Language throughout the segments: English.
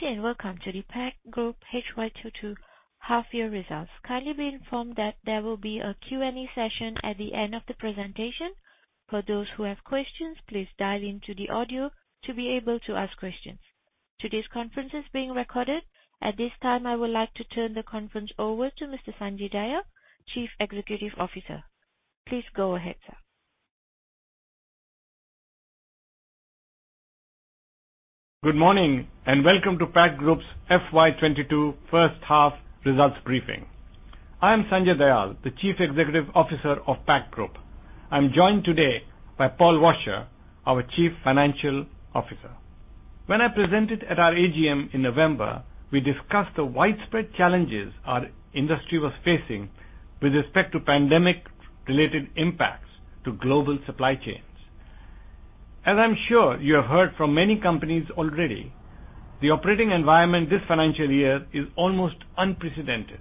Good day and welcome to the Pact Group FY 2022 half year results. Kindly be informed that there will be a Q&A session at the end of the presentation. For those who have questions, please dial into the audio to be able to ask questions. Today's conference is being recorded. At this time, I would like to turn the conference over to Mr. Sanjay Dayal, Chief Executive Officer. Please go ahead, sir. Good morning and welcome to Pact Group's FY 2022 first half results briefing. I am Sanjay Dayal, the Chief Executive Officer of Pact Group. I'm joined today by Paul Washer, our Chief Financial Officer. When I presented at our AGM in November, we discussed the widespread challenges our industry was facing with respect to pandemic-related impacts to global supply chains. As I'm sure you have heard from many companies already, the operating environment this financial year is almost unprecedented.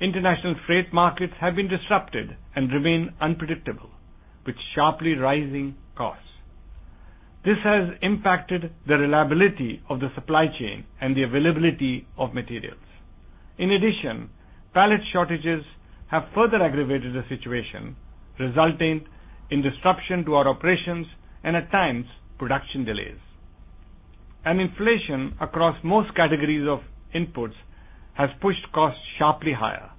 International freight markets have been disrupted and remain unpredictable, with sharply rising costs. This has impacted the reliability of the supply chain and the availability of materials. In addition, pallet shortages have further aggravated the situation, resulting in disruption to our operations and, at times, production delays. Inflation across most categories of inputs has pushed costs sharply higher.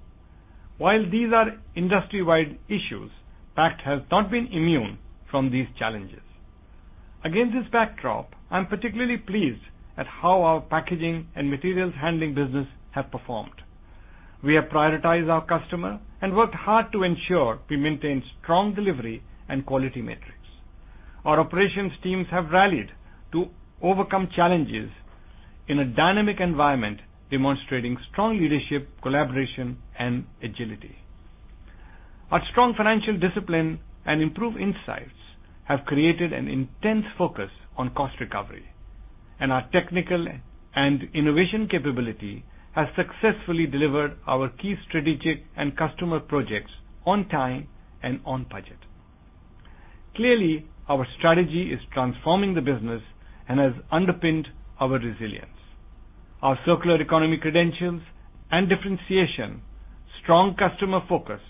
While these are industry-wide issues, Pact has not been immune from these challenges. Against this backdrop, I am particularly pleased at how our packaging and materials handling business have performed. We have prioritized our customer and worked hard to ensure we maintain strong delivery and quality metrics. Our operations teams have rallied to overcome challenges in a dynamic environment, demonstrating strong leadership, collaboration, and agility. Our strong financial discipline and improved insights have created an intense focus on cost recovery, and our technical and innovation capability has successfully delivered our key strategic and customer projects on time and on budget. Clearly, our strategy is transforming the business and has underpinned our resilience. Our circular economy credentials and differentiation, strong customer focus,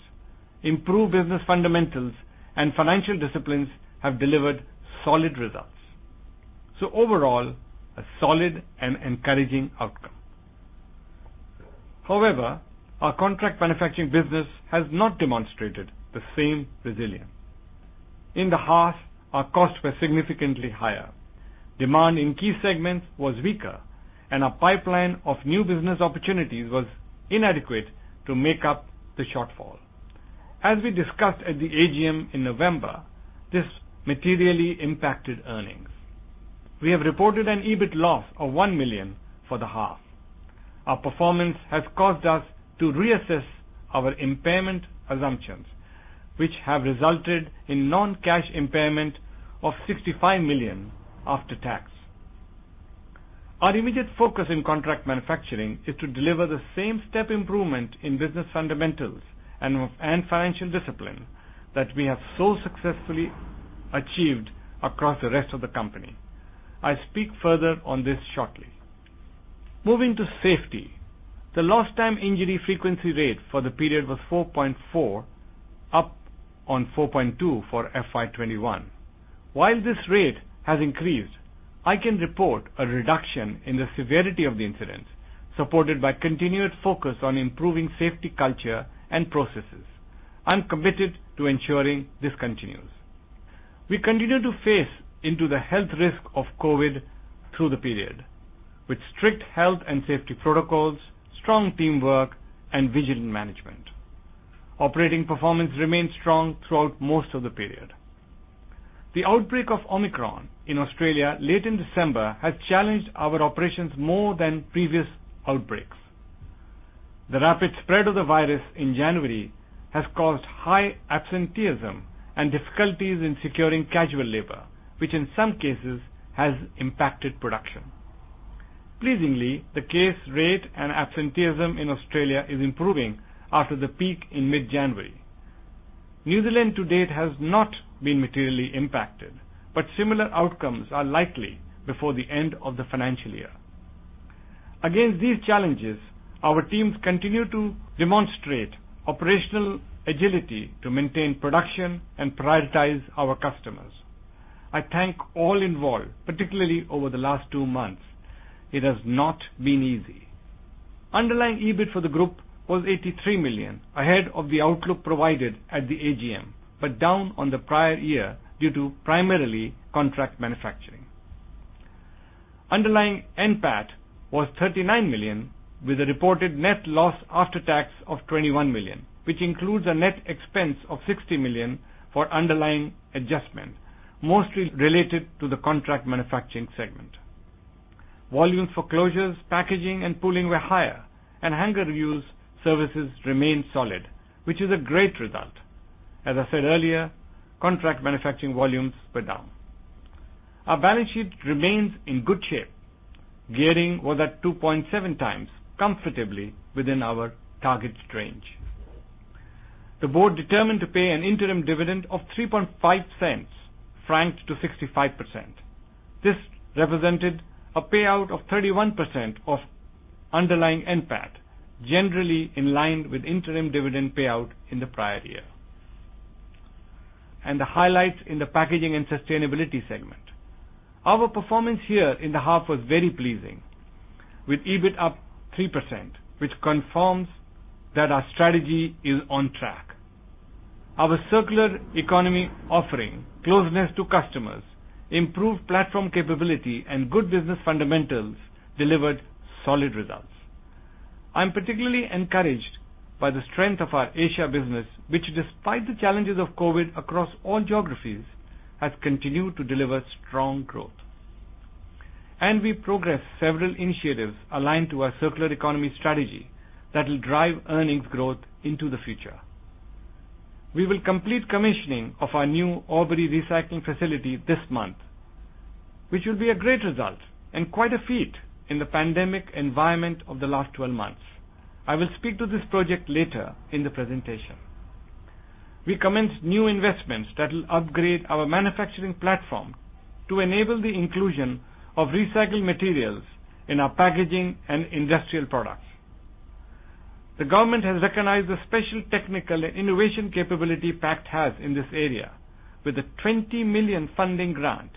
improved business fundamentals, and financial disciplines have delivered solid results. Overall, a solid and encouraging outcome. However, our contract manufacturing business has not demonstrated the same resilience. In the half, our costs were significantly higher. Demand in key segments was weaker, and our pipeline of new business opportunities was inadequate to make up the shortfall. As we discussed at the AGM in November, this materially impacted earnings. We have reported an EBIT loss of 1 million for the half. Our performance has caused us to reassess our impairment assumptions, which have resulted in non-cash impairment of 65 million after tax. Our immediate focus in contract manufacturing is to deliver the same step improvement in business fundamentals and financial discipline that we have so successfully achieved across the rest of the company. I'll speak further on this shortly. Moving to safety. The lost time injury frequency rate for the period was 4.4, up on 4.2 for FY 2021. While this rate has increased, I can report a reduction in the severity of the incident, supported by continued focus on improving safety culture and processes. I'm committed to ensuring this continues. We continue to face into the health risk of COVID through the period with strict health and safety protocols, strong teamwork, and vigilant management. Operating performance remained strong throughout most of the period. The outbreak of Omicron in Australia late in December has challenged our operations more than previous outbreaks. The rapid spread of the virus in January has caused high absenteeism and difficulties in securing casual labor, which in some cases has impacted production. Pleasingly, the case rate and absenteeism in Australia is improving after the peak in mid-January. New Zealand to date has not been materially impacted, but similar outcomes are likely before the end of the financial year. Against these challenges, our teams continue to demonstrate operational agility to maintain production and prioritize our customers. I thank all involved, particularly over the last two months. It has not been easy. Underlying EBIT for the group was 83 million, ahead of the outlook provided at the AGM, but down on the prior year due to primarily contract manufacturing. Underlying NPAT was 39 million, with a reported net loss after tax of 21 million, which includes a net expense of 60 million for underlying adjustments, mostly related to the contract manufacturing segment. Volumes for closures, packaging, and pooling were higher, and hanger reuse services remained solid, which is a great result. As I said earlier, contract manufacturing volumes were down. Our balance sheet remains in good shape. Gearing was at 2.7x, comfortably within our targeted range. The Board determined to pay an interim dividend of 0.035, franked to 65%. This represented a payout of 31% of underlying NPAT, generally in line with interim dividend payout in the prior year. The highlights in the Packaging and Sustainability segment. Our performance here in the half was very pleasing, with EBIT up 3%, which confirms that our strategy is on track. Our circular economy offering, closeness to customers, improved platform capability, and good business fundamentals delivered solid results. I am particularly encouraged by the strength of our Asia business, which despite the challenges of COVID across all geographies, has continued to deliver strong growth. We progressed several initiatives aligned to our circular economy strategy that will drive earnings growth into the future. We will complete commissioning of our new Albury recycling facility this month, which will be a great result and quite a feat in the pandemic environment of the last 12 months. I will speak to this project later in the presentation. We commenced new investments that will upgrade our manufacturing platform to enable the inclusion of recycled materials in our packaging and industrial products. The government has recognized the special technical and innovation capability Pact has in this area with a 20 million funding grant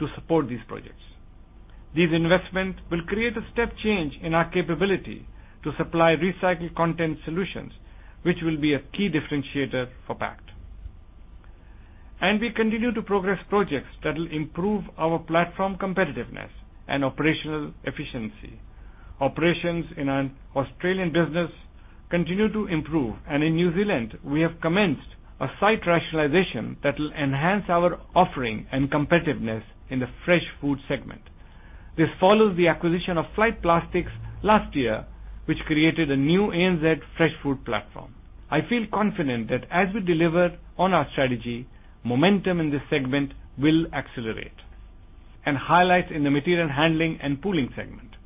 to support these projects. These investments will create a step change in our capability to supply recycled content solutions, which will be a key differentiator for Pact. We continue to progress projects that will improve our platform competitiveness and operational efficiency. Operations in our Australian business continue to improve. In New Zealand, we have commenced a site rationalization that will enhance our offering and competitiveness in the fresh food segment. This follows the acquisition of Flight Plastics last year, which created a new ANZ fresh food platform. I feel confident that as we deliver on our strategy, momentum in this segment will accelerate. Highlights in the material handling and pooling segment.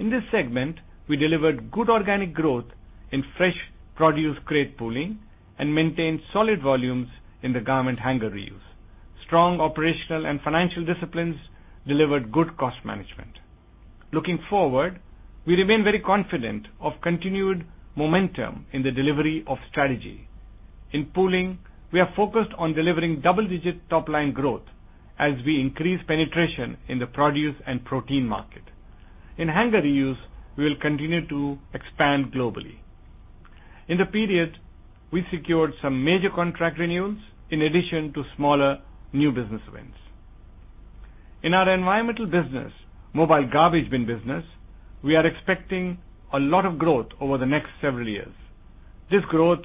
In this segment, we delivered good organic growth in fresh produce crate pooling and maintained solid volumes in the garment hanger reuse. Strong operational and financial disciplines delivered good cost management. Looking forward, we remain very confident of continued momentum in the delivery of strategy. In pooling, we are focused on delivering double-digit top-line growth as we increase penetration in the produce and protein market. In hanger reuse, we will continue to expand globally. In the period, we secured some major contract renewals in addition to smaller new business wins. In our environmental business, mobile garbage bin business, we are expecting a lot of growth over the next several years. This growth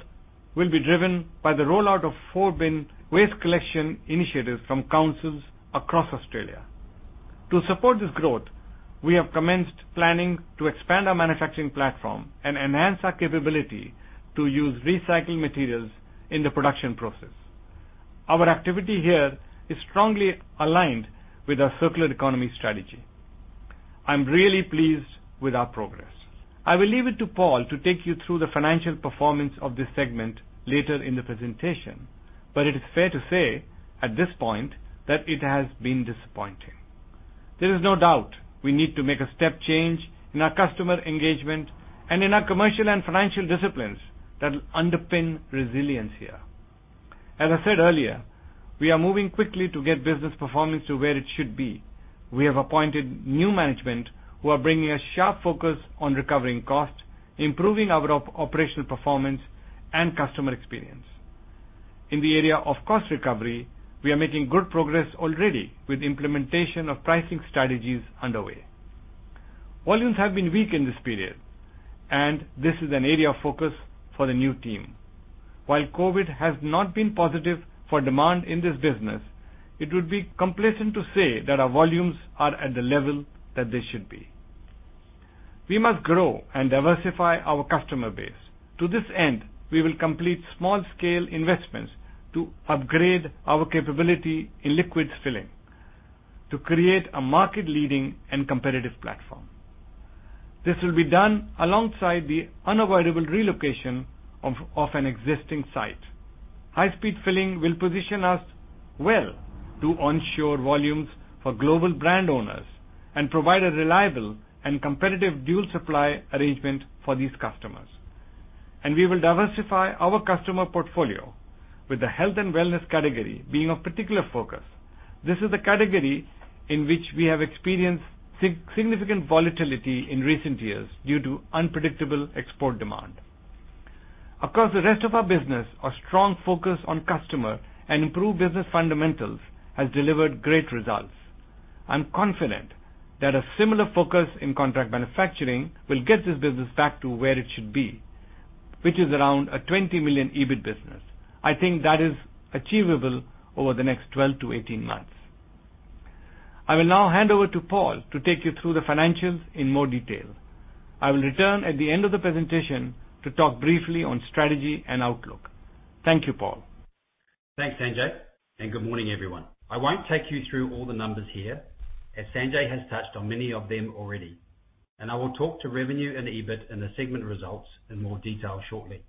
will be driven by the rollout of four-bin waste collection initiatives from councils across Australia. To support this growth, we have commenced planning to expand our manufacturing platform and enhance our capability to use recycled materials in the production process. Our activity here is strongly aligned with our circular economy strategy. I'm really pleased with our progress. I will leave it to Paul to take you through the financial performance of this segment later in the presentation, but it is fair to say at this point that it has been disappointing. There is no doubt we need to make a step change in our customer engagement and in our commercial and financial disciplines that will underpin resilience here. As I said earlier, we are moving quickly to get business performance to where it should be. We have appointed new management who are bringing a sharp focus on recovering costs, improving our operational performance, and customer experience. In the area of cost recovery, we are making good progress already with implementation of pricing strategies underway. Volumes have been weak in this period, and this is an area of focus for the new team. While COVID has not been positive for demand in this business, it would be complacent to say that our volumes are at the level that they should be. We must grow and diversify our customer base. To this end, we will complete small-scale investments to upgrade our capability in liquid filling to create a market-leading and competitive platform. This will be done alongside the unavoidable relocation of an existing site. High-speed filling will position us well to onshore volumes for global brand owners and provide a reliable and competitive dual supply arrangement for these customers. We will diversify our customer portfolio with the health and wellness category being of particular focus. This is a category in which we have experienced significant volatility in recent years due to unpredictable export demand. Across the rest of our business, our strong focus on customer and improved business fundamentals has delivered great results. I'm confident that a similar focus in contract manufacturing will get this business back to where it should be, which is around a 20 million EBIT business. I think that is achievable over the next 12-18 months. I will now hand over to Paul to take you through the financials in more detail. I will return at the end of the presentation to talk briefly on strategy and outlook. Thank you, Paul. Thanks, Sanjay, and good morning, everyone. I won't take you through all the numbers here, as Sanjay has touched on many of them already, and I will talk to revenue and EBIT and the segment results in more detail shortly.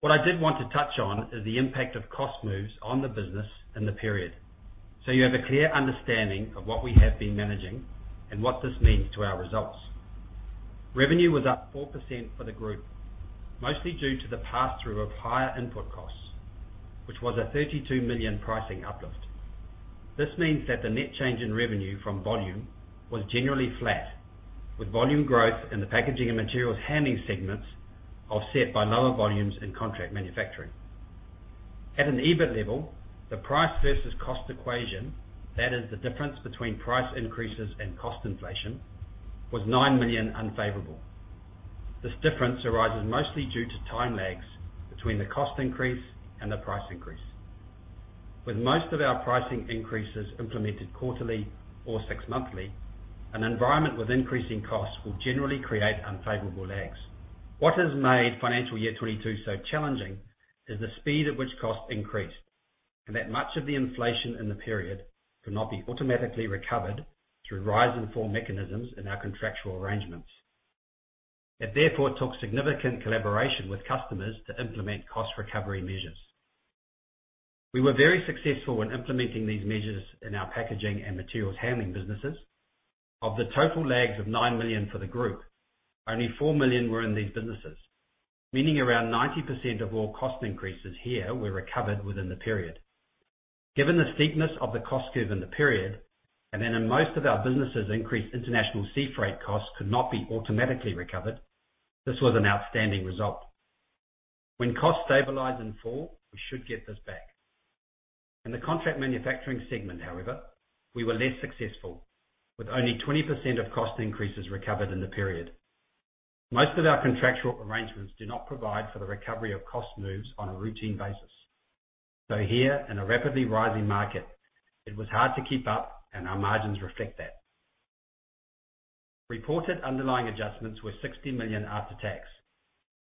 What I did want to touch on is the impact of cost moves on the business in the period, so you have a clear understanding of what we have been managing and what this means to our results. Revenue was up 4% for the group, mostly due to the pass-through of higher input costs, which was a 32 million pricing uplift. This means that the net change in revenue from volume was generally flat, with volume growth in the packaging and materials handling segments offset by lower volumes in contract manufacturing. At an EBIT level, the price versus cost equation, that is, the difference between price increases and cost inflation, was 9 million unfavorable. This difference arises mostly due to time lags between the cost increase and the price increase. With most of our pricing increases implemented quarterly or six-monthly, an environment with increasing costs will generally create unfavorable lags. What has made financial year 2022 so challenging is the speed at which costs increased, and that much of the inflation in the period could not be automatically recovered through rise and fall mechanisms in our contractual arrangements. It therefore took significant collaboration with customers to implement cost recovery measures. We were very successful when implementing these measures in our packaging and material handling businesses. Of the total lags of 9 million for the group, only 4 million were in these businesses, meaning around 90% of all cost increases here were recovered within the period. Given the steepness of the cost curve in the period, and that in most of our businesses, increased international sea freight costs could not be automatically recovered, this was an outstanding result. When costs stabilize and fall, we should get this back. In the contract manufacturing segment, however, we were less successful, with only 20% of cost increases recovered in the period. Most of our contractual arrangements do not provide for the recovery of cost moves on a routine basis. Here, in a rapidly rising market, it was hard to keep up and our margins reflect that. Reported underlying adjustments were 60 million after tax.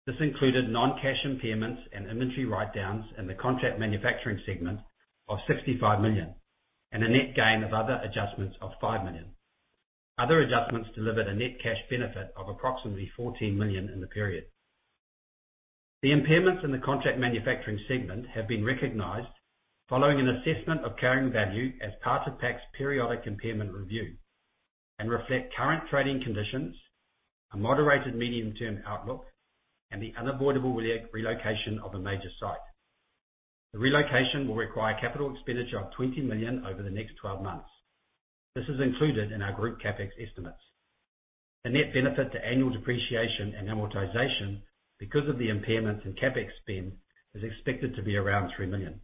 This included non-cash impairments and inventory write-downs in the contract manufacturing segment of 65 million, and a net gain of other adjustments of 5 million. Other adjustments delivered a net cash benefit of approximately 14 million in the period. The impairments in the contract manufacturing segment have been recognized following an assessment of carrying value as part of Pact's periodic impairment review and reflect current trading conditions, a moderated medium-term outlook, and the unavoidable relocation of a major site. The relocation will require capital expenditure of 20 million over the next 12 months. This is included in our group CapEx estimates. The net benefit to annual depreciation and amortization because of the impairments in CapEx spend is expected to be around 3 million.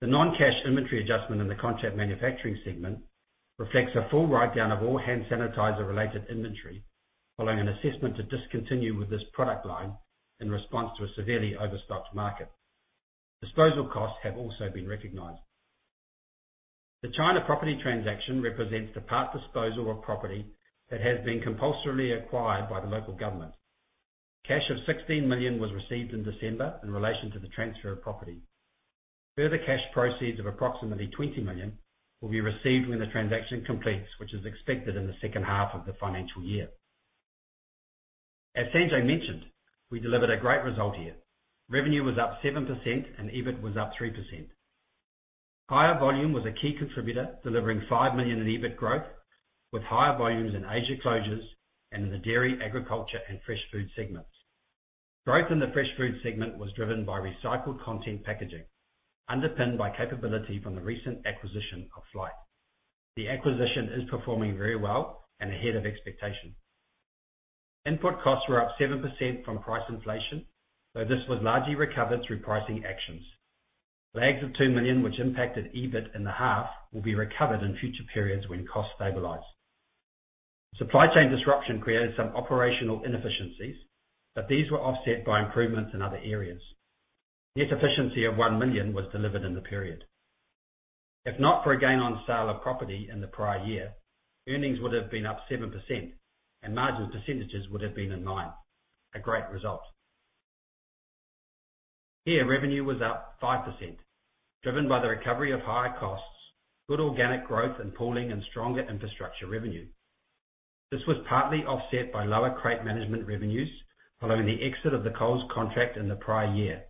The non-cash inventory adjustment in the contract manufacturing segment reflects a full write-down of all hand sanitizer related inventory, following an assessment to discontinue with this product line in response to a severely overstocked market. Disposal costs have also been recognized. The China property transaction represents the part disposal of property that has been compulsorily acquired by the local government. Cash of 16 million was received in December in relation to the transfer of property. Further cash proceeds of approximately 20 million will be received when the transaction completes, which is expected in the second half of the financial year. As Sanjay mentioned, we delivered a great result here. Revenue was up 7% and EBIT was up 3%. Higher volume was a key contributor, delivering 5 million in EBIT growth, with higher volumes in Asia closures and in the dairy, agriculture, and fresh food segments. Growth in the fresh food segment was driven by recycled content packaging, underpinned by capability from the recent acquisition of Flight. The acquisition is performing very well and ahead of expectation. Input costs were up 7% from price inflation, though this was largely recovered through pricing actions. Lags of 2 million, which impacted EBIT in the half, will be recovered in future periods when costs stabilize. Supply chain disruption created some operational inefficiencies, but these were offset by improvements in other areas. Net efficiency of 1 million was delivered in the period. If not for a gain on sale of property in the prior year, earnings would have been up 7% and margin percentages would have been in line. A great result. Here, revenue was up 5%, driven by the recovery of higher costs, good organic growth in pooling, and stronger infrastructure revenue. This was partly offset by lower crate management revenues following the exit of the Coles contract in the prior year,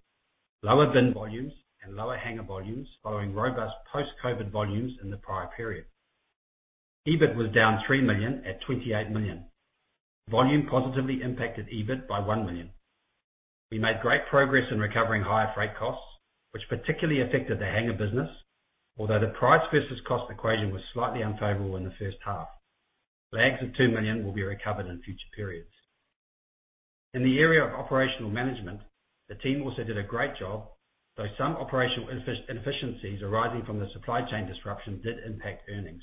lower bin volumes and lower hanger volumes following robust post-COVID volumes in the prior period. EBIT was down 3 million at 28 million. Volume positively impacted EBIT by 1 million. We made great progress in recovering higher freight costs, which particularly affected the hanger business, although the price versus cost equation was slightly unfavorable in the first half. Lags of 2 million will be recovered in future periods. In the area of operational management, the team also did a great job, though some operational efficiencies arising from the supply chain disruption did impact earnings.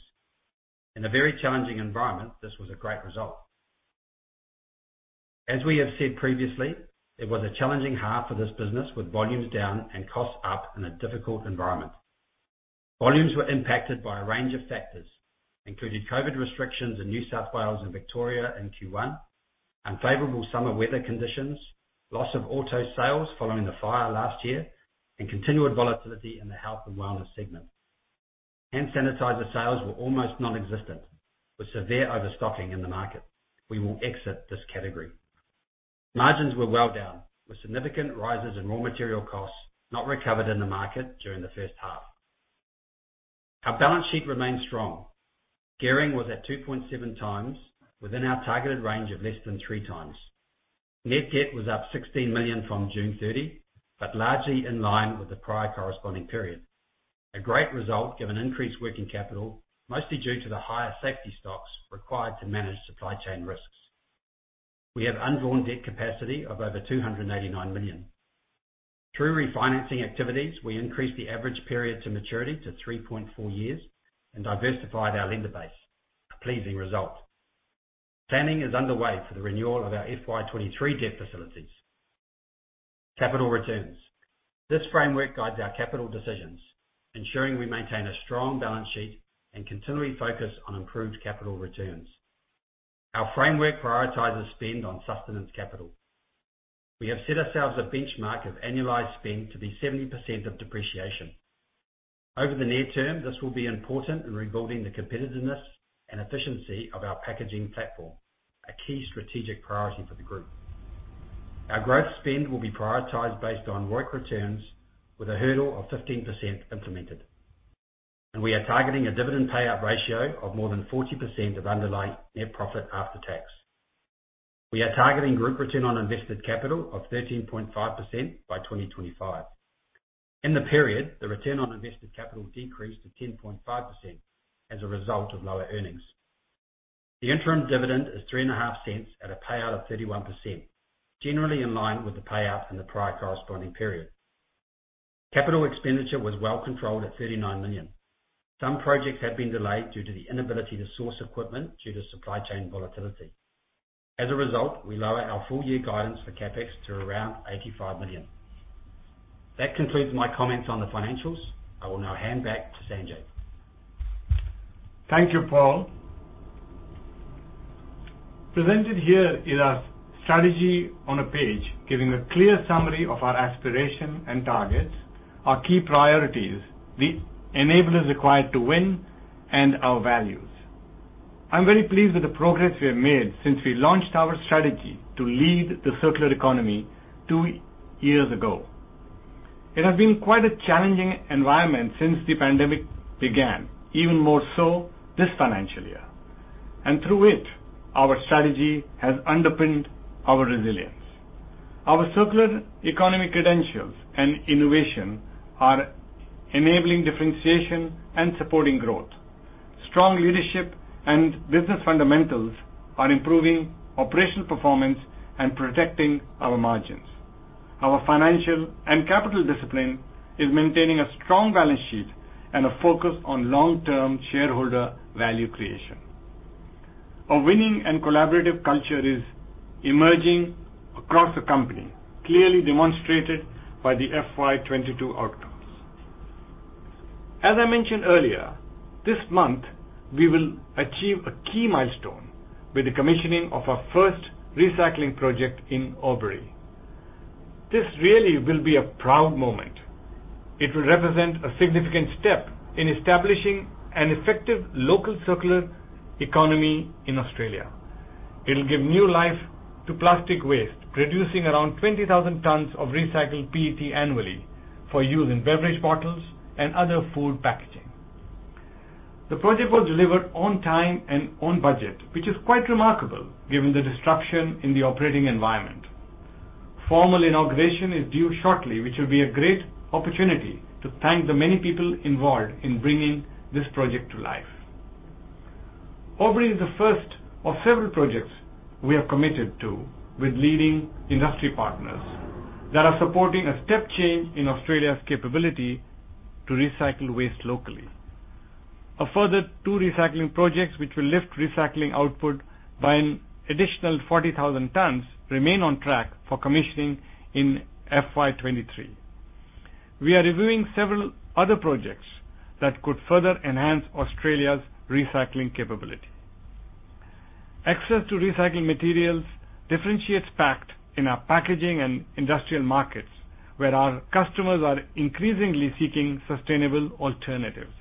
In a very challenging environment, this was a great result. As we have said previously, it was a challenging half for this business, with volumes down and costs up in a difficult environment. Volumes were impacted by a range of factors, including COVID restrictions in New South Wales and Victoria in Q1, unfavorable summer weather conditions, loss of auto sales following the fire last year, and continued volatility in the health and wellness segment. Hand sanitizer sales were almost non-existent, with severe overstocking in the market. We will exit this category. Margins were well down, with significant rises in raw material costs not recovered in the market during the first half. Our balance sheet remains strong. Gearing was at 2.7 times within our targeted range of less than 3 times. Net debt was up 16 million from June 30, but largely in line with the prior corresponding period. A great result given increased working capital, mostly due to the higher safety stocks required to manage supply chain risks. We have undrawn debt capacity of over 289 million. Through refinancing activities, we increased the average period to maturity to 3.4 years and diversified our lender base. A pleasing result. Planning is underway for the renewal of our FY 2023 debt facilities. Capital returns. This framework guides our capital decisions, ensuring we maintain a strong balance sheet and continually focus on improved capital returns. Our framework prioritizes spend on sustenance capital. We have set ourselves a benchmark of annualized spend to be 70% of depreciation. Over the near term, this will be important in rebuilding the competitiveness and efficiency of our packaging platform, a key strategic priority for the Group. Our growth spend will be prioritized based on ROIC returns with a hurdle of 15% implemented. We are targeting a dividend payout ratio of more than 40% of underlying net profit after tax. We are targeting group return on invested capital of 13.5% by 2025. In the period, the return on invested capital decreased to 10.5% as a result of lower earnings. The interim dividend is 0.035 at a payout of 31%, generally in line with the payout in the prior corresponding period. Capital expenditure was well controlled at 39 million. Some projects have been delayed due to the inability to source equipment due to supply chain volatility. As a result, we lower our full year guidance for CapEx to around 85 million. That concludes my comments on the financials. I will now hand back to Sanjay. Thank you, Paul. Presented here is our strategy on a page, giving a clear summary of our aspiration and targets, our key priorities, the enablers required to win, and our values. I'm very pleased with the progress we have made since we launched our strategy to lead the circular economy two years ago. It has been quite a challenging environment since the pandemic began, even more so this financial year, and through it, our strategy has underpinned our resilience. Our circular economy credentials and innovation are enabling differentiation and supporting growth. Strong leadership and business fundamentals are improving operational performance and protecting our margins. Our financial and capital discipline is maintaining a strong balance sheet and a focus on long-term shareholder value creation. A winning and collaborative culture is emerging across the company, clearly demonstrated by the FY 2022 outcomes. As I mentioned earlier, this month, we will achieve a key milestone with the commissioning of our first recycling project in Albury. This really will be a proud moment. It will represent a significant step in establishing an effective local circular economy in Australia. It'll give new life to plastic waste, producing around 20,000 tons of recycled PET annually for use in beverage bottles and other food packaging. The project was delivered on time and on budget, which is quite remarkable given the disruption in the operating environment. Formal inauguration is due shortly, which will be a great opportunity to thank the many people involved in bringing this project to life. Albury is the first of several projects we are committed to with leading industry partners that are supporting a step change in Australia's capability to recycle waste locally. A further two recycling projects which will lift recycling output by an additional 40,000 tons remain on track for commissioning in FY 2023. We are reviewing several other projects that could further enhance Australia's recycling capability. Access to recycling materials differentiates Pact in our packaging and industrial markets, where our customers are increasingly seeking sustainable alternatives.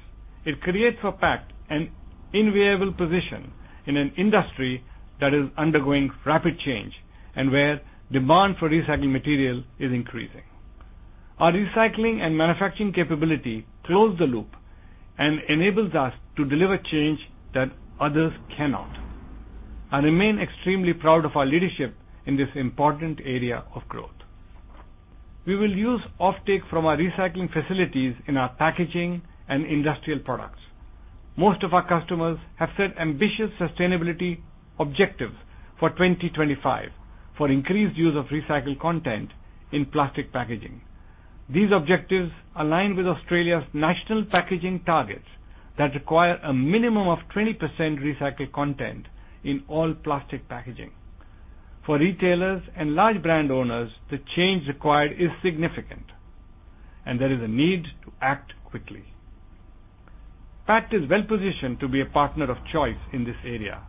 It creates for Pact an enviable position in an industry that is undergoing rapid change and where demand for recycling material is increasing. Our recycling and manufacturing capability close the loop and enables us to deliver change that others cannot. I remain extremely proud of our leadership in this important area of growth. We will use offtake from our recycling facilities in our packaging and industrial products. Most of our customers have set ambitious sustainability objectives for 2025 for increased use of recycled content in plastic packaging. These objectives align with Australia's National Packaging Targets that require a minimum of 20% recycled content in all plastic packaging. For retailers and large brand owners, the change required is significant, and there is a need to act quickly. Pact is well positioned to be a partner of choice in this area.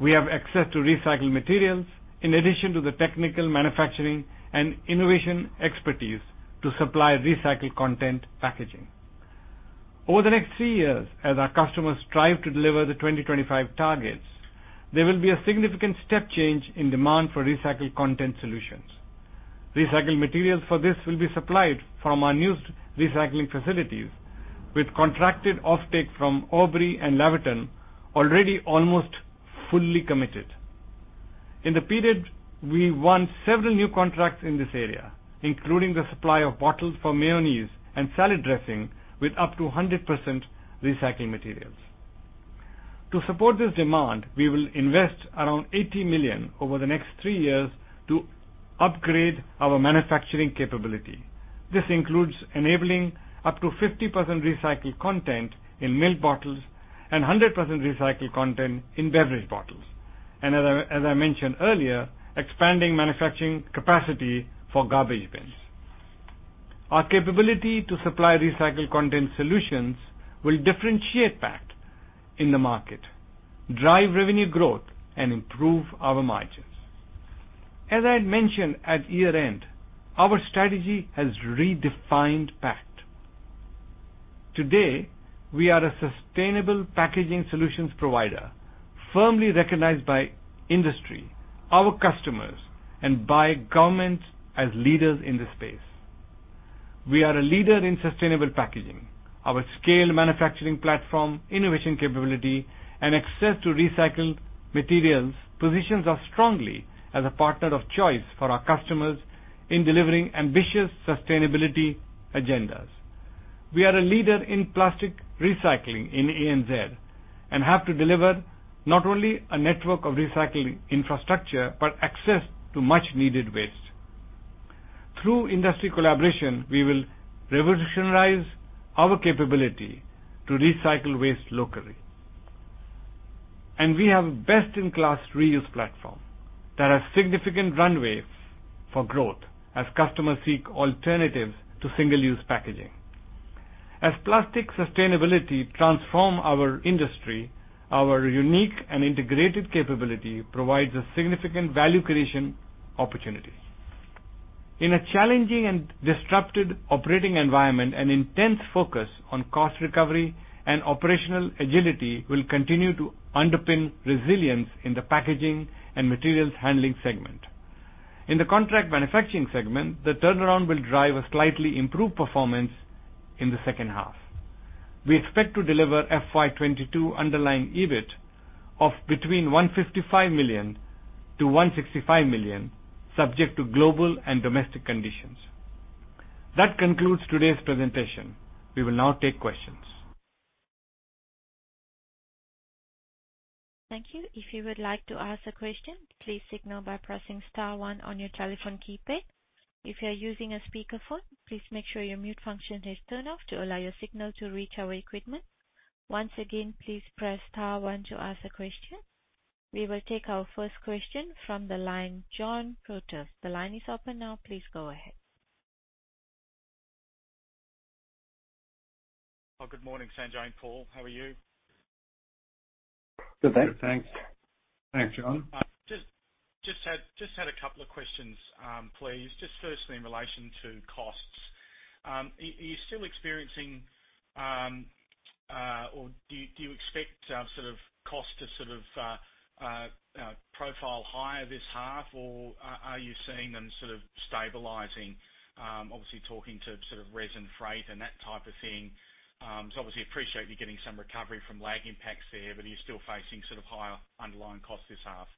We have access to recycled materials in addition to the technical manufacturing and innovation expertise to supply recycled content packaging. Over the next three years, as our customers strive to deliver the 2025 targets, there will be a significant step change in demand for recycled content solutions. Recycled materials for this will be supplied from our newest recycling facilities, with contracted offtake from Albury and Laverton already almost fully committed. In the period, we won several new contracts in this area, including the supply of bottles for mayonnaise and salad dressing with up to 100% recycled materials. To support this demand, we will invest around 80 million over the next three years to upgrade our manufacturing capability. This includes enabling up to 50% recycled content in milk bottles and 100% recycled content in beverage bottles, as I mentioned earlier, expanding manufacturing capacity for garbage bins. Our capability to supply recycled content solutions will differentiate Pact in the market, drive revenue growth, and improve our margins. As I had mentioned at year-end, our strategy has redefined Pact. Today, we are a sustainable packaging solutions provider, firmly recognized by industry, our customers, and by governments as leaders in this space. We are a leader in sustainable packaging. Our scaled manufacturing platform, innovation capability, and access to recycled materials positions us strongly as a partner of choice for our customers in delivering ambitious sustainability agendas. We are a leader in plastic recycling in ANZ and have to deliver not only a network of recycling infrastructure, but access to much-needed waste. Through industry collaboration, we will revolutionize our capability to recycle waste locally. We have best-in-class reuse platform. There are significant runways for growth as customers seek alternatives to single-use packaging. As plastic sustainability transform our industry, our unique and integrated capability provides a significant value creation opportunity. In a challenging and disrupted operating environment, an intense focus on cost recovery and operational agility will continue to underpin resilience in the packaging and sustainability segment. In the contract manufacturing segment, the turnaround will drive a slightly improved performance in the second half. We expect to deliver FY 2022 underlying EBIT of between 155 million-165 million, subject to global and domestic conditions. That concludes today's presentation. We will now take questions. Thank you. If you would like to ask a question, please signal by pressing star one on your telephone keypad. If you are using a speakerphone, please make sure your mute function is turned off to allow your signal to reach our equipment. Once again, please press star one to ask a question. We will take our first question from the line, John Purtill. The line is open now. Please go ahead. Oh, good morning, Sanjay and Paul. How are you? Good, thanks. Good, thanks. Thanks, John. Just had a couple of questions, please. Just firstly in relation to costs. Are you still experiencing, or do you expect sort of costs to sort of profile higher this half, or are you seeing them sort of stabilizing? Obviously talking to sort of resin, freight and that type of thing. So obviously I appreciate you're getting some recovery from lag impacts there, but are you still facing sort of higher underlying costs this half?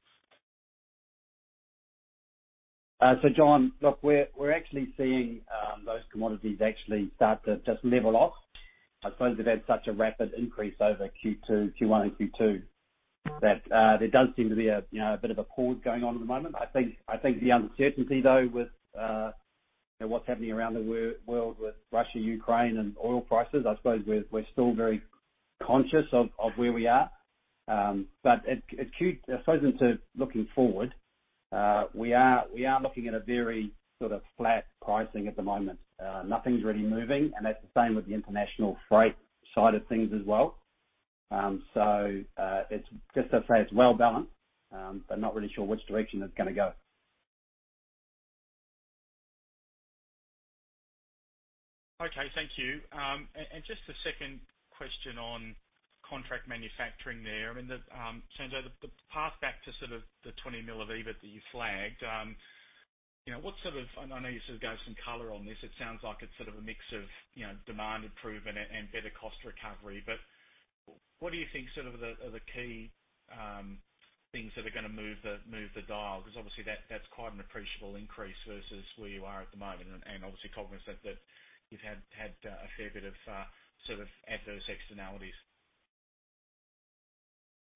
John, look, we're actually seeing those commodities actually start to just level off. I suppose they've had such a rapid increase over Q1 and Q2 that there does seem to be you know a bit of a pause going on at the moment. I think the uncertainty though with what's happening around the world with Russia, Ukraine and oil prices I suppose we're still very conscious of where we are. But into Q3 I suppose looking forward we are looking at a very sort of flat pricing at the moment. Nothing's really moving, and that's the same with the international freight side of things as well. It's just to say it's well balanced, but not really sure which direction it's gonna go. Okay. Thank you. Just a second question on contract manufacturing there. I mean, Sanjay, the path back to sort of the 20 million of EBIT that you flagged, you know, I know you sort of gave some color on this. It sounds like it's sort of a mix of, you know, demand improvement and better cost recovery. But what do you think sort of are the key things that are gonna move the dial? Because obviously that's quite an appreciable increase versus where you are at the moment, and obviously cognizant that you've had a fair bit of sort of adverse externalities.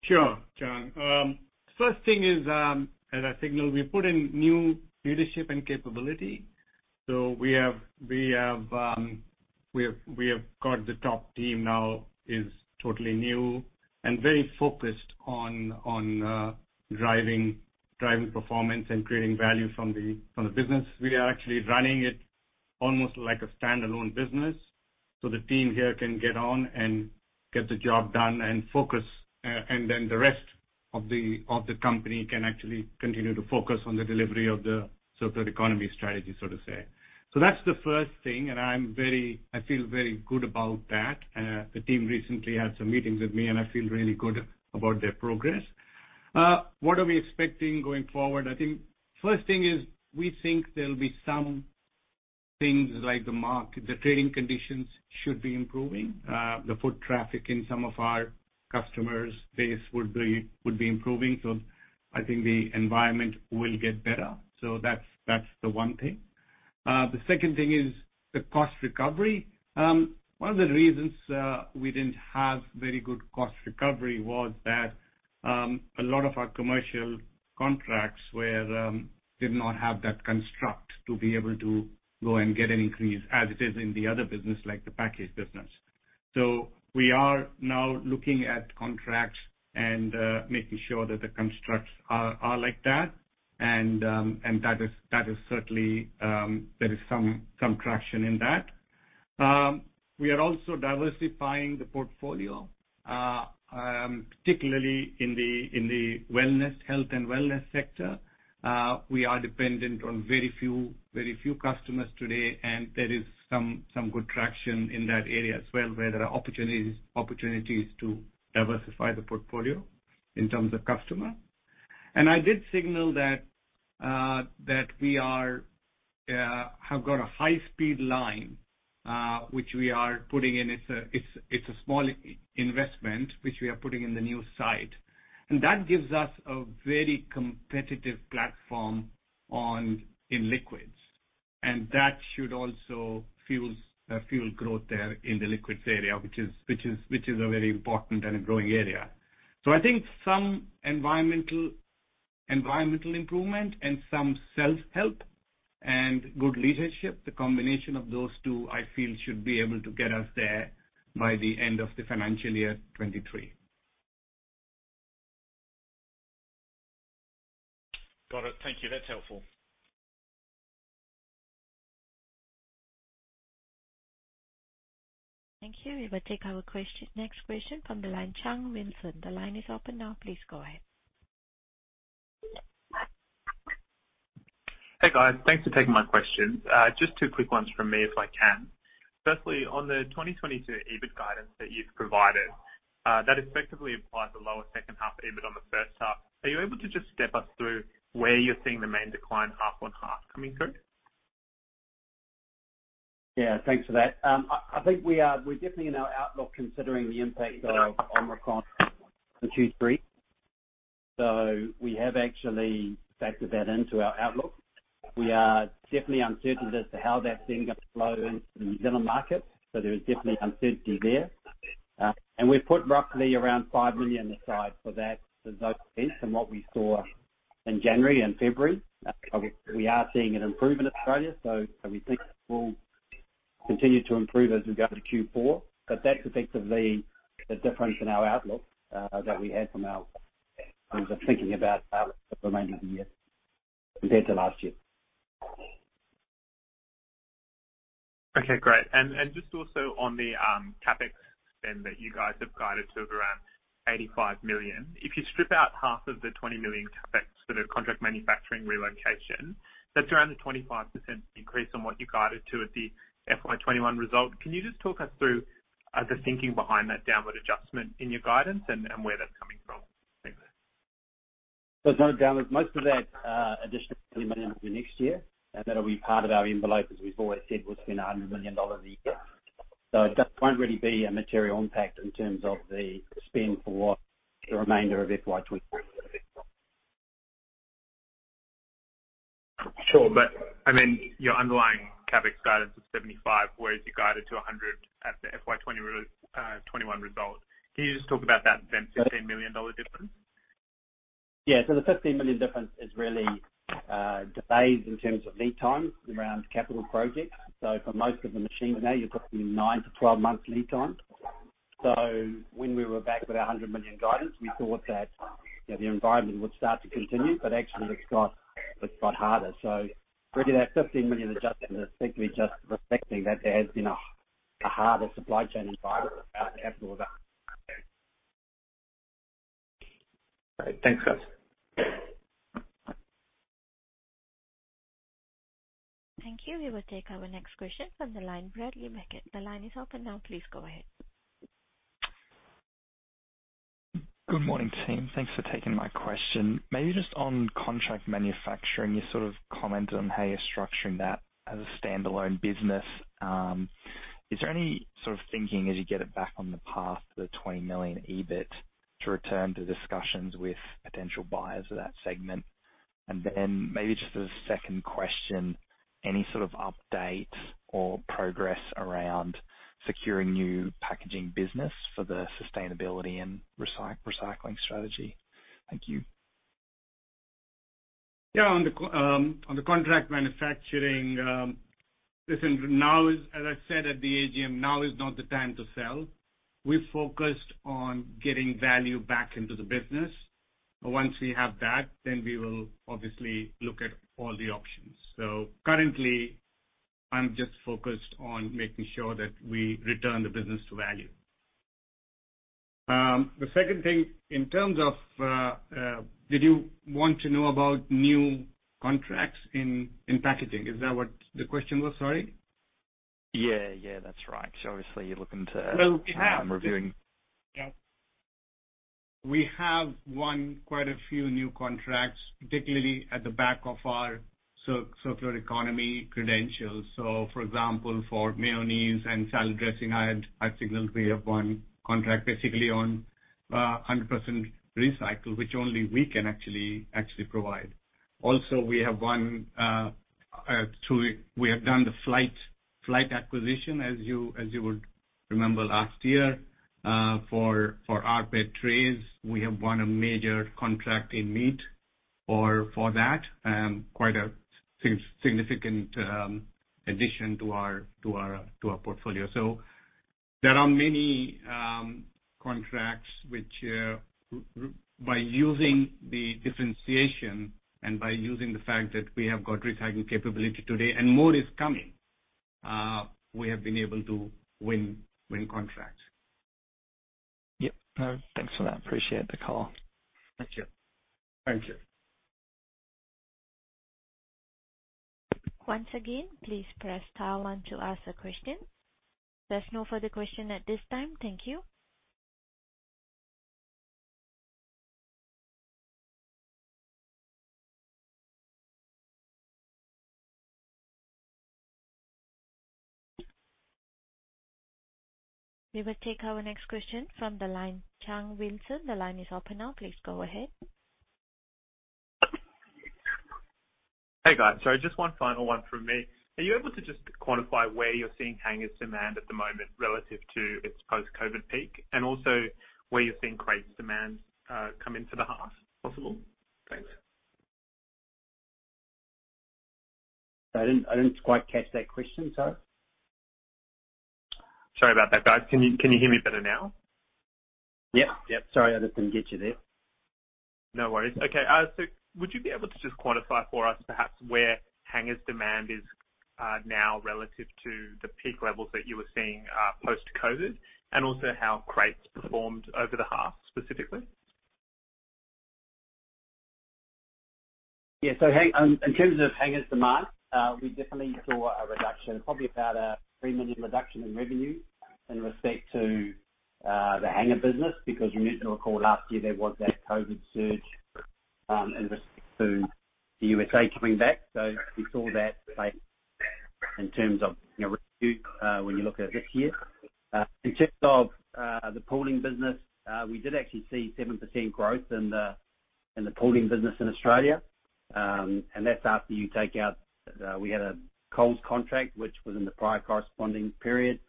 Sure, John. First thing is, as I signaled, we put in new leadership and capability We have got the top team now is totally new and very focused on driving performance and creating value from the business. We are actually running it almost like a standalone business, so the team here can get on and get the job done and focus. The rest of the company can actually continue to focus on the delivery of the circular economy strategy, so to say. That's the first thing, and I feel very good about that. The team recently had some meetings with me, and I feel really good about their progress. What are we expecting going forward? I think first thing is we think there'll be some things like the trading conditions should be improving. The foot traffic in some of our customer base would be improving. I think the environment will get better. That's the one thing. The second thing is the cost recovery. One of the reasons we didn't have very good cost recovery was that a lot of our commercial contracts did not have that construct to be able to go and get an increase as it is in the other business, like the package business. We are now looking at contracts and making sure that the constructs are like that, and that is certainly. There is some traction in that. We are also diversifying the portfolio, particularly in the health and wellness sector. We are dependent on very few customers today, and there is some good traction in that area as well, where there are opportunities to diversify the portfolio in terms of customer. I did signal that we have got a high speed line which we are putting in. It's a small investment which we are putting in the new site, and that gives us a very competitive platform in liquids. That should also fuel growth there in the liquids area, which is a very important and a growing area. I think some environmental improvement and some self-help and good leadership, the combination of those two, I feel should be able to get us there by the end of the financial year 2023. Got it. Thank you. That's helpful. Thank you. We will take our next question from the line, Chan Wilson. The line is open now. Please go ahead. Hey, guys. Thanks for taking my question. Just two quick ones from me, if I can. Firstly, on the 2022 EBIT guidance that you've provided, that effectively applies a lower second half EBIT on the first half. Are you able to just step us through where you're seeing the main decline half-on-half coming through? Yeah, thanks for that. I think we're definitely in our outlook considering the impact of Omicron for Q3. We have actually factored that into our outlook. We are definitely uncertain as to how that's then gonna flow into the New Zealand market, so there is definitely uncertainty there. We've put roughly around 5 million aside for that, for those costs and what we saw in January and February. We are seeing an improvement in Australia, so we think it will continue to improve as we go to Q4. That's effectively the difference in our outlook that we had in terms of thinking about the remainder of the year compared to last year. Okay, great. Just also on the CapEx spend that you guys have guided to of around 85 million. If you strip out half of the 20 million CapEx for the contract manufacturing relocation, that's around a 25% increase on what you guided to at the FY 2021 result. Can you just talk us through the thinking behind that downward adjustment in your guidance and where that's coming from? Thanks. There's no downward. Most of that additional AUD 20 million is next year, and that'll be part of our envelope. As we've always said, we'll spend 100 million dollars a year, so it just won't really be a material impact in terms of the spend for what the remainder of FY 2023. Sure. I mean, your underlying CapEx guidance is 75 million, whereas you guided to 100 million at the FY 2021 result. Can you just talk about that then, 15 million dollar difference? Yeah. The 15 million difference is really delays in terms of lead times around capital projects. For most of the machines now you're looking at nine to 12 months lead time. When we were back with our 100 million guidance, you know, the environment would start to continue, but actually it's got harder. Really that 15 million adjustment is simply just reflecting that there has been a harder supply chain environment after all that. All right. Thanks, guys. Thank you. We will take our next question from the line, Bradley Beckett. The line is open now. Please go ahead. Good morning, team. Thanks for taking my question. Maybe just on contract manufacturing, you sort of commented on how you're structuring that as a standalone business. Is there any sort of thinking as you get it back on the path to the 20 million EBIT to return to discussions with potential buyers of that segment? And then maybe just as a second question, any sort of update or progress around securing new packaging business for the sustainability and recycling strategy? Thank you. Yeah, on the contract manufacturing, listen, now is, as I said at the AGM, now is not the time to sell. We're focused on getting value back into the business. Once we have that, then we will obviously look at all the options. So, currently, I'm just focused on making sure that we return the business to value. The second thing, in terms of, did you want to know about new contracts in packaging? Is that what the question was? Sorry. Yeah. Yeah, that's right. Obviously you're looking to- Well, we have. I'm reviewing. Yeah. We have won quite a few new contracts, particularly on the back of our circular economy credentials. For example, for mayonnaise and salad dressing, I think we have won a contract basically on 100% recycle, which only we can actually provide. Also, we have done the Flight acquisition, as you would remember, last year, for our PET trays. We have won a major contract in meat for that, quite a significant addition to our portfolio. There are many contracts which, by using the differentiation and by using the fact that we have got recycling capability today, and more is coming, we have been able to win contracts. Yep. No, thanks for that. Appreciate the call. Thank you. Thank you. Once again, please press star one to ask a question. There's no further question at this time. Thank you. We will take our next question from the line, Chan Wilson. The line is open now. Please go ahead. Hey, guys. Just one final one from me. Are you able to just quantify where you're seeing hanger demand at the moment relative to its post-COVID peak and also where you're seeing crate demand come into the half, if possible? Thanks. I didn't quite catch that question, so. Sorry about that, guys. Can you hear me better now? Yeah. Sorry, I just didn't get you there. No worries. Okay. Would you be able to just quantify for us perhaps where hanger demand is, now relative to the peak levels that you were seeing, post-COVID, and also how crates performed over the half specifically? Yeah. In terms of hangers demand, we definitely saw a reduction, probably about a 3 million reduction in revenue in respect to the hanger business because as you may recall last year there was that COVID surge in respect to the USA coming back. We saw that, like, in terms of, you know, revenue when you look at it this year. In terms of the pooling business, we did actually see 7% growth in the pooling business in Australia. And that's after you take out the Coles contract which was in the prior corresponding period.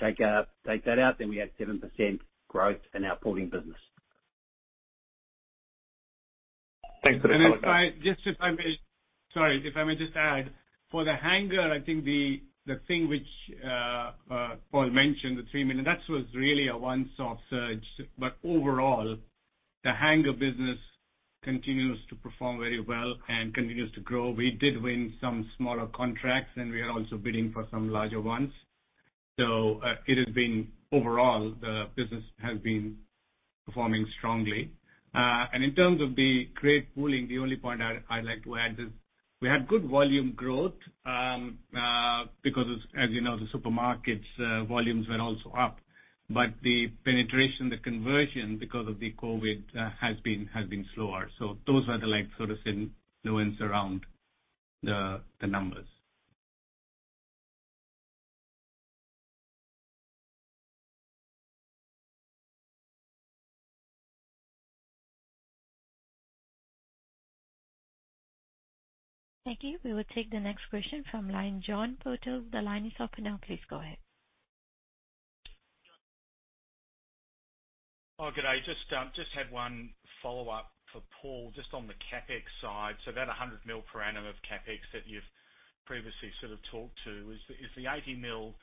Take that out, then we had 7% growth in our pooling business. Thanks for the If I may just add. For the hanger, I think the thing which Paul mentioned, the 3 million, that was really a once-off surge. Overall, the hanger business continues to perform very well and continues to grow. We did win some smaller contracts, and we are also bidding for some larger ones. Overall the business has been performing strongly. In terms of the crate pooling, the only point I'd like to add is we had good volume growth because as you know, the supermarkets' volumes were also up. The penetration, the conversion because of the COVID has been slower. Those are the like sort of influences around the numbers. Thank you. We will take the next question from line, John Purtill. The line is open now. Please go ahead. Oh, good day. Just had one follow-up for Paul, just on the CapEx side. That 100 million per annum of CapEx that you've previously sort of talked to. Is the 80 million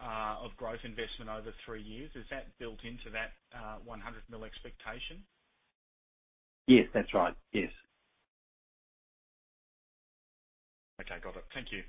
of growth investment over three years built into that 100 million expectation? Yes, that's right. Yes. Okay. Got it. Thank you.